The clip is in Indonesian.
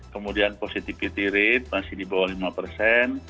kemudian positivity rate masih di bawah lima persen